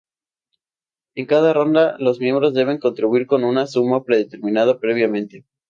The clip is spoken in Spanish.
En cada ronda los miembros deben contribuir con una suma determinada previamente.